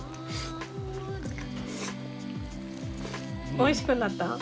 おいしくなった？